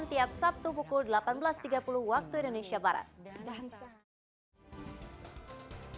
tiap sabtu pukul delapan belas tiga puluh waktu indonesia barat